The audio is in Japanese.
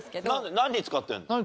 何に使ってるの？